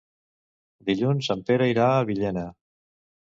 Dilluns en Pere irà a Villena.